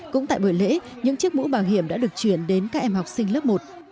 cũng tại buổi lễ những chiếc mũ bàng hiểm đã được truyền đến các em học sinh lớp một